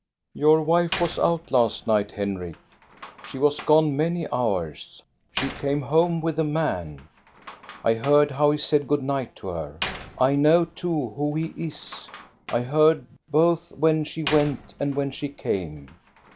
" Your wife was out last night, Henrik. She was gone many hours. She came home with a man. I heard how he said good night to her. I know too who he is. I heard botli when she went and when she came.